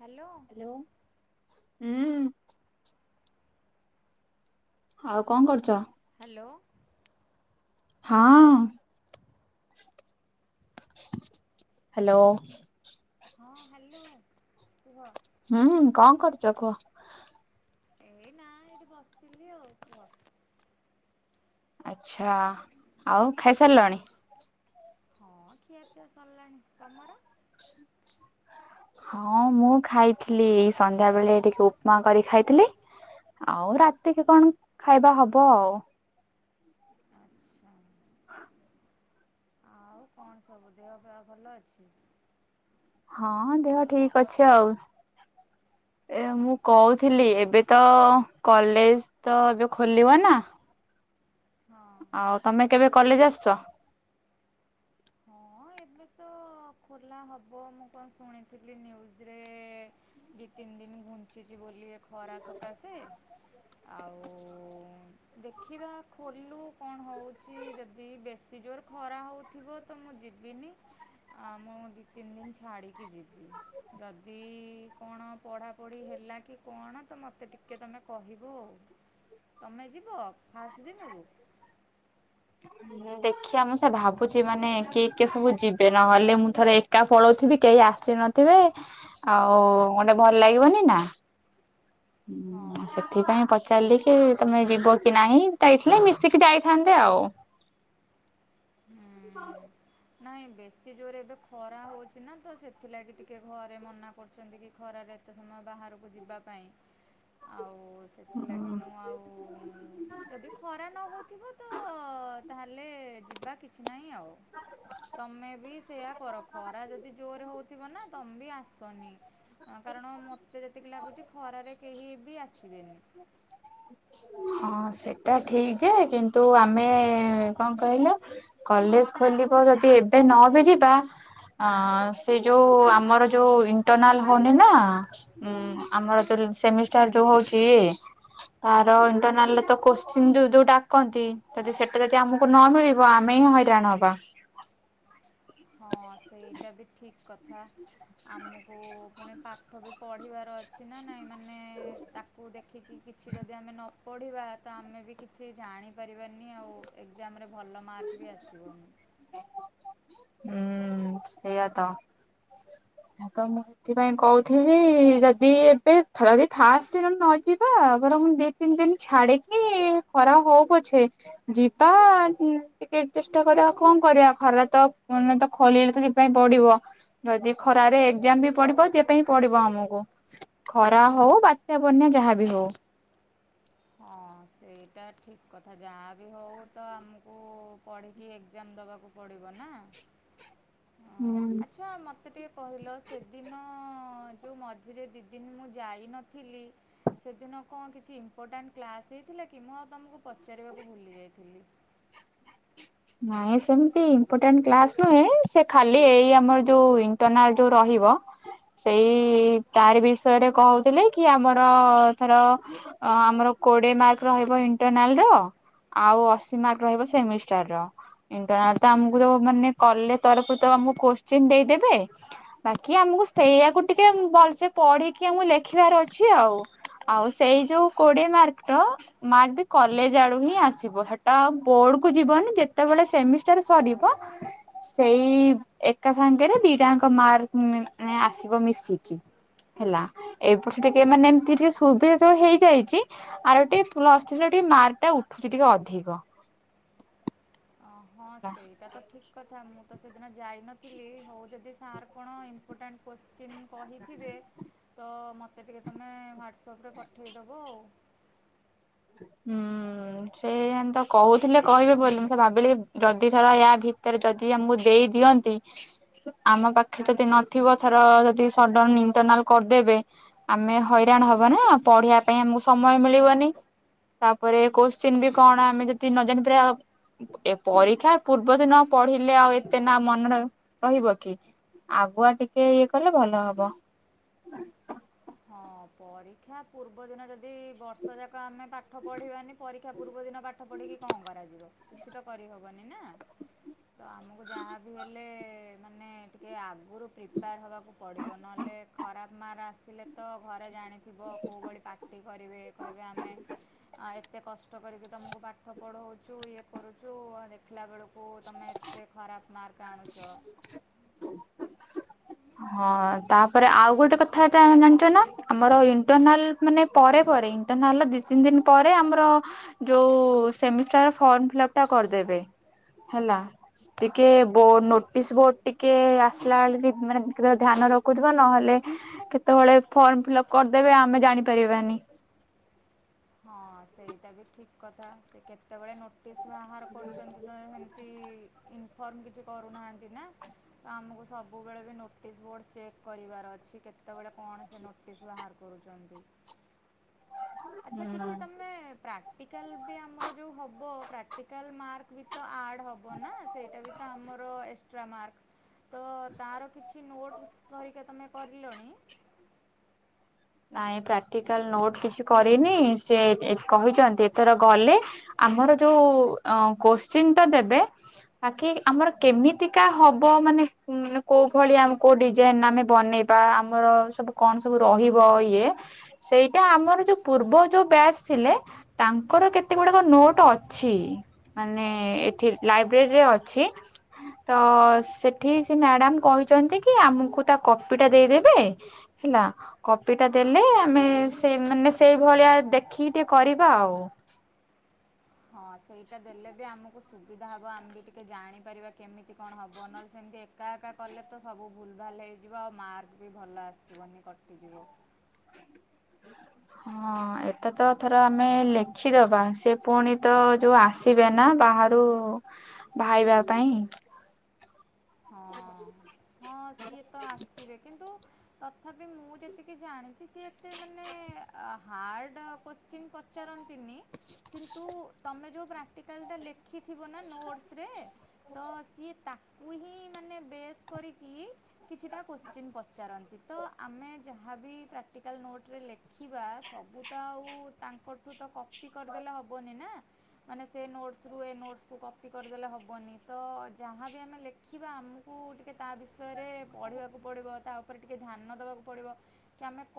Hello. ଉଁ, ଆଉ କଣ କରୁଚ? ହ୍ୟାଲୋ। ହଁ। ହ୍ୟାଲୋ। ହଁ ହ୍ୟାଲୋ କୁହ? ହଁ କଣ କରୁଛ କୁହ? ଏଇ ନା ଏଇଠି ବସିଥିଲି ଆଉ କୁହ? ଆଚ୍ଛା ଆଉ ଖାଇସାରିଲଣି? ହଁ ଖିଆ ପିଆ ସରିଲାଣି ତମର? ହଁ ମୁଁ ଖାଇଥିଲି ସନ୍ଧ୍ୟା ବେଳେ ଟିକେ ଉପମା କରି ଖାଇଥିଲି ଆଉ ରାତିକ କଣ ଖାଇବା ହବ ଆଉ। ଆଚ୍ଛା। ଆଉ କଣ ସବୁ ଦେହ ବା ଭଲ ଅଛି? ହଁ ଦେହ ଠିକ ଅଛି ଆଉ। ଏ ମୁଁ କହୁଥିଲି ଏବେ ତ କଲେଜ ତ ଏବେ ଖୋଲିବ ନା ହଁ। ହଉ ତମେ କେବେ କଲେଜ ଆସୁଛ? ହଁ ଏବେ ତ ଖୋଲା ହବ ମୁଁ କଣ ଶୁଣିଥିଲି ନ୍ୟୁଜରେ ଦି ତିନି ଦିନ ଘୁଞ୍ଚିଛି ବୋଲି ଏ ଖରା ସକାଶେ ଆଉ ଦେଖିବା ଖୋଲୁ କଣ ହେଉଛି ଯଦି ବେଶୀ ଜୋର ଖରା ହେଉଥିବ ତ ମୁଁ ଯିବିନି ଆ ମୁଁ ଦୁଇ ତିନି ଦିନ ଛାଡ଼ିକି ଯିବି। ଯଦି କଣ ପଢ଼ାପଢ଼ି ହେଲା କି କଣ ତ ମୋତେ ଟିକେ ତୁମେ କହିବ ଆଉ। ତୁମେ ଯିବ ଫାଷ୍ଟ ଦିନରୁ ଦେଖିବା ମୁଁ ସେୟା ଭାବୁଛି ମାନେ କିଏ କିଏ ସବୁ ଯିବେ ନହେଲେ ମୁଁ ଥରେ ଏକା ପଳଉଥିବି କେହି ଆସିନଥିବେ ଆଉ ଗୋଟେ ଭଲ ଲାଗିବନି ନା। ହୁଁ ହଁ ସେଥିପାଇଁ ପ ପଚାଲିକି ତମେ ଯିବ କି ନାହିଁ, ଯାଇଥିଲେ ମିଶିକି ଯାଇଥାନ୍ତେ ଆଉ। ହୁଁ। ନାଇଁ ବେଶୀ ଜୋରେ ଏବେ ଖରା ହଉଛି ନା ତ ସେଥିଲାଗି ଟିକେ ଘରେ ମନା କରୁଛନ୍ତି କି ଖରାରେ ଟିକେ ସମୟ ବାହାରକୁ ଯିବା ପାଇଁ। ଆଉ ସେଥିଲାଗି ମୁଁ ଆଉ ଯଦି ଖରା ନହଉଥିବ ତ ତାହେଲେ ଯିବା କିଛି ନାହିଁ ଆଉ। ତମେ ବି ସେୟା କର ଖରା ଯଦି ଜୋରରେ ହଉଥିବ ନା ତମେ ବି ଆସ ବନି କାରଣ ମୋତେ ଯେତିକି ଲାଗୁଛି ଖରାରେ କେହି ବି ଆସିବେନି। ହ [inaudible] ହଁ ସେଇଟା ଠିକ ଯେ କିନ୍ତୁ ଆମେ କଣ କହିଲ କଲେଜ ଖୋଲିବ ଯଦି ଏବେ ନ ବି ଯିବା ହ ସେ ଯୋଉ ଆମର ଯୋଉ ଇଣ୍ଟରନାଲ ହଉନି ନା ଆମର ସେମିଷ୍ଟାର ଯୋଉ ହଉଛି ତାର ଇଣ୍ଟରନାଲରେ ତ କୋଶ୍ଚିନ୍ ଯଉ ଯୋଉ ଡାକନ୍ତି ଯଦି ସେଟା ଯଦି ଆମକୁ ନ ମିଳିବ ଆମେ ହିଁ ହଇରାଣ ହବା। ହଁ ସେଇଟା ବି ଠିକ୍। କଥା ଆମକୁ ପୁଣି ପାଠ ବି ପଢିବାର ଅଛି ନା ନାଇଁ। ମାନେ ତାକୁ ଦେଖିକି କିଛି ଯଦି ଆମେ ନ ପଢ଼ିବା ତ ଆମେ ବି କିଛି ଜାଣିପାରିବାନି ଆଉ। ଏକ୍ଜାମରେ ଭଲ ମାର୍କ ବି ଆସିବନି। ହୁଁ ସେଇଆ ତ। ଆ କ ମୁ ସେଥିପାଇଁ କହୁଥିଲି ଯଦି ଏବେଥ ଯଦି ଫାଷ୍ଟ ନ ଯିବା ବର୍ ମୁ। ତିନି ଦିନ ଛାଡିକି ଖରା ହଉ ପଛେ ଯିବା। ଟିକେ ଚେଷ୍ଟା କରିବା କଣ କରିବା ଖରା ତ ମାନେ ତ ଖୋଲିଲେ ତ ସେଥିପାଇଁ ପଡିବ ଯଦି ଖରାରେ ଏକ୍ଜାମ ବି ପଢିବ ଯେ ପାଇଁ ପଡିବ ଆମକୁ। ଖରା ହଉ ବାତ୍ୟା ବନ୍ୟା ଯାହାବି ହଉ ହଁ ସେଇଟା ଠିକ୍ କଥା ଯାହା ବି ହଉ ତ ଆମକୁ ପଢ଼ିକି ଏକ୍ଜାମ ଦେବାକୁ ପଡ଼ିବ ନା ହୁଁ ଆଚ୍ଛା ମୋତେ ମୋତେ ଟିକେ କହିଲ ସେଦିନ ଯେଉଁ ମଝିରେ ଦୁଇ ଦିନ ମୁଁ ଯାଇନଥିଲି ସେଦିନ କଣ କିଛି ଇମ୍ପୋର୍ଟାଣ୍ଟ କ୍ଲାସ୍ ହେଇଥିଲା କି ମୁଁ ଆଉ ତୁମକୁ ପଚାରିବାକୁ ଭୁଲି ଯାଇଥିଲି। ନାଇଁ ସେମିତି ଇମ୍ପୋର୍ଟାଣ୍ଟ କ୍ଲାସ ନୁହେଁ ସେ ଖାଲି ଏଇ ଆମର ଯୋଉ ଇଣ୍ଟରନାଲ ଯୋଉ ରହିବ ସେଇ ତାର ବିଷୟରେ କହୁଥିଲେ କି ଆମର ଏ ଥର ଅ ଆମର କୋଡ଼ିଏ ମାର୍କ ରହିବ ଇଣ୍ଟରନାଲର ଆଉ ଅଶୀ ମାର୍କ ରହିବ ସେମିଷ୍ଟରର ଇଣ୍ଟରନାଲ ତ ଆମକୁ ମାନେ କଲେଜ ତରଫରୁ ତ ଆମକୁ କୋଶ୍ଚିନ୍ ଦେଇଦେବେ ବାକି ଆମକୁ ସେଇଆକୁ ଟିକେ ଭଲସେ ପଢିକି ଆମକୁ ଲେଖିବାର ଅଛି ଆଉ। ଆଉ ସେଇ ଯଉ କୋଡିଏ ମାର୍କ ର ମାର୍କ ବି କଲେଜ ଆଡୁ ହିଁ ଆସିବ ସେଟା ଆଉ ବୋର୍ଡ କୁ ଯିବନି ଯେ ଯେତେବେଳେ ସେମିଷ୍ଟାର ସରିବ ସେଇ ଏକା ସାଙ୍ଗରେ ଦିଟାଙ୍କ ମାର୍କ ମାନେ ଆସିବ ମିଶିକି। ହେଲା ଏପଟ ସେ ଟିକେ ମାନେ ଏମିତି ଟିକେ ସୁବିଧା ଯୋଉ ହେଇଯାଇଛି ଆର ଟିକେ ପ୍ଲସ ଥ୍ରିରେ ଟିକେ ମାର୍କ ଟା ଉଠୁଛି ଟିକେ ଅଧିକ। ଅ ହଁ ସେଇଟା ତ ଠିକ୍ କଥା ମୁଁ ତ ସେଦିନ ଯାଇନଥିଲି ହଉ ଯଦି ସାର୍ କଣ ଇମ୍ପୋର୍ଟାଣ୍ଟ କୋଶ୍ଚି ଚିନ୍ କହିଥିବେ ତ ମୋତେ ଟିକେ ତୁମେ ୱାଟସପରେ ପଠାଇଦବ ଆଉ। ହୁଁ। ସେମ ତ କହୁଥିଲେ କହିବେ ବୋଲି ମୁଁ ସେ ଭାବିଲି ଯଦି ଥର ୟା ଭିତରେ ଯଦିମକୁ ଦେଇ ଦିଅନ୍ତି ଆମ ପାଖରେ ଯଦି ନଥିବ ଧର ଯଦି ସଡନ ଇଣ୍ଟରନାଲ କରିଦେବେ ଆମେ ହଇରାଣ ହବା ନା ପଢିବା ପାଇଁ ଆମକୁ ସମୟ ମିଳିବନି ତାପରେ କୋଶ୍ଚିନ୍ ବି କଣ ଆମେ ଯଦି ନ ଜାଣି ପାରିବା ଏ ପରୀକ୍ଷା ପୂର୍ବ ଦିନ ପଢିଲେ ଆଉ ଏତେ ନା ମନରେ ରହିବ କି ଆଗୁଆ ଟିକେ ଇଏ କଲେ ଭଲ ହବ। ହଁ ପରୀକ୍ଷା ପୂର୍ବଦିନ ଯଦି ବର୍ଷ ଯାକ ଆମେ ପାଠ ପଢିବାନି ପରୀକ୍ଷା ପୂର୍ବ ଦିନ ପାଠ ପଢିକି କଣ କରାଯିବ କିଛି ତ କରିହବନି ନା। [inaudible] ତ ଆମକୁ ଯାହାବି ହେଲେ ନ ହେଲେ ମାନେ ଟିକେ ଆଗରୁ ପ୍ରିପେୟାର ହେବାକୁ ପଡ଼ିବ ନହେଲେ ଖରାପ ମାର୍କ ଆସିଲେ ତ ଘରେ ଜାଣିଥିବ କେଉଁ ଭଳି ପାଟି କରିବେ କହିବେ ଆମେ ଆ ଏତେ କଷ୍ଟ କରିକି ତମକୁ ପାଠ ପଢୋଉଛୁ ଇଏ କରୁଛୁ ଦେଖିଲା ବେଳକୁ ତମେ ଏତେ ଖରାପ ମାର୍କ ଆଣୁଚ [inaudible] ହଁ ତାପରେ ଆଉ ଗୋଟେ କଥା ଜାଣିଛ ନା ଆମର ଇଣ୍ଟରନାଲ ମାନେ ପରେ ପରେ ଇଣ୍ଟରନାଲ ଦି ତିନି ଦିନି ପରେ ଆମର ଯୋଉ ସେମିଷ୍ଟାର ଫର୍ମ ଫିଲପ ଟା କରିଦେବେ ହେଲା। ଟିକେ ବୋ ନୋଟିସି୍ ବୋର୍ଡ ଟିକେ ଆସିଲା ବେଳେ ବି ମାନେ ଧ୍ୟାନ ରଖୁଥିବେ ନହେଲେ କେତେବେଳେ ଫର୍ମ ଫିଲ୍ଅପ କରିଦେବେ ଆମେ ଜାଣି ପାରିବାନି। ହଁ ସେଇଟା ବି ଠିକି୍ କଥା ସେ କେତେବେଳେ ନୋଟିସି୍ ବାହାର କରୁଚନ୍ତି ତ ଏମିତି ଇନିଫର୍ମ କିଛି କରୁନାହାନ୍ତି ନା ତ ଆମକୁ ସବୁବେଳେ ବି ନୋଟିସି୍ ବୋର୍ଡ ଚେକେ୍ କରିବାର ଅଛି କେତେବେଳେ କଣ ସେ ନୋ ସ ବାହାର କରୁଚନ୍ତି। ଆଚ୍ଛା କିଛି ହୁଁ। ତମେ ପ୍ରାକ୍ ଟିକାଲ ହେଲେ ବି ଆମର ଯୋଉ ହଵ ପ୍ରାକ୍ଟିକାଲ ମାର୍କ ବି ତ ଆର୍ଡ। ହବ ନା ସେଇଟା ବି ତ ଆମର ଏସେ ଏସେଟ୍ରା ମାର୍କ ତ ତାର କିଛି ନୋଟ୍ [unintelligible] କରିକି ତମେ କରିଲଣି। ନାଇଁ ପ୍ରାକ୍ଟିକାଲ ନୋଟ କିଛି କରିନି ସେ ଏ କହିଛନ୍ତି ଏଥର ଗଲେ। ଆମର ଯୋଉ ଅଂ କୋଶ୍ଚିନି୍ ଟା ଦେବେ। ଆଗେ ଆମର କେମିତିକା ହବ ମାନେ [unintelligible] କୋଉ ଭଳିଆ ଆମକୁ ଡିଜାଇନି୍ ଆମେ ବନେଇବୁ। ବା ଆମର ସବୁ କଣ ସବୁ ରହିବ ଇଏ। ସେଇଟା ଆମର ଯୋଉ ପୂର୍ବ ଯୋଉ ବ୍ୟାଚ ଥିଲେ। ତାଙ୍କର କେତେ ଗୁଡାକ ନୋଟ ଅଛି। ମାନେ ଏଠି ଲାଇବ୍ରେରୀ ରେ ଅଛି। ତ ସେଠି ସେ ମ୍ୟାଡାମ କହିଛନ୍ତି କି ଆମକୁ ତା କପି ଟା ଦେଇଦେବେ। ହେଲା। କପି ଟା ଦେଲେ ଆମେ ସେ ମାନେ ସେଇଭଳିଆ ଦେଖିକି ଟିକେ କରିବା ଆଉ। ହଁ ସେଇଟା ଦେଲେ ବି ଆମକୁ ସୁବିଧା ହେବ। ଆମେ ବି ଟିକେ ଜାଣିପାରିବା କେମିତି କଣ? ହେଵ ନ ହେଲେ ସେମିତି। ଏକା ଏକା କଲେ ତ ସବୁ ଭୁଲ ଭାଲ୍ ହେଇଯିବ। ଆଉ ମାର୍କ ବି ଭଲ ଆସିବନି କଟିଯିବ। ହଁ ଏଟା ତ ଏଥର ଆମେ ଲେଖିଦବା। ସେ ପୁଣି ତ ଯୋଉ ଆସି। ଥିବେ ନା ବାହାରୁ ଭାଇବା ପାଇଁ। ହଁ ହଁ ସିଏ ତ ଆସିବେ କିନ୍ତୁ। ତଥାପି ମୁଁ ଯେତିକି ଜାଣିଛି ସି ଏତେ ମାନେ ହାଡ। କୋଶ୍ଚିନ ପଚାରନ୍ତିନି। କିନ୍ତୁ ତମେ ଯେଉଁ ପ୍ରାକ୍ଟିକାଲଟା ଲେଖିଥିବ ନା ନୋଟସରେ। ତ ସିଏ ତାକୁ ହିଁ ମାନେ ବେଶ କରିକି। କିଛିଟା କୋଶ୍ଚିନି୍ ପଚାରନ୍ତି ତ ଆମେ ଯାହାବି ପ୍ରାକ୍ଟିକାଲ ନୋଟରେ ଲେ ଖିବା ସବୁ ତ ଆଉ ତାଙ୍କଠୁ ତ କପି କରିଦେଲେ ହବନି ନା। ମାନେ ସେ ନୋଟସ ରୁ ଏ ନୋଟସକୁୁ କପି କରିଦେଲେ ହବନି ତ ଯାହାବି ଆମେ ଲେ ଶିଖିବା ଆମକୁ ଟିକଏ ତା ବିଷୟରେ ପଢ଼ିବାକୁ ପଡ଼ିବ। ତା ଉପରେ ଟିକିଏ ଧ୍ୟାନ ଦେବାକୁ ପଡ଼ିବ। କାମେକୋ।